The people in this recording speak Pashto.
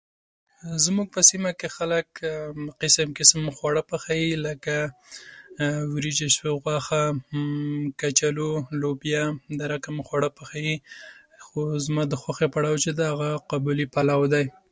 زموږ په سيمه کې خلک قسم قسم خواړه پخي، لکه وريجې، غوښه، کچالو لوبيا. دا ډول خواړه پخوي. هو، زما د خوښې پړاو چي دي قابلي پلو دي.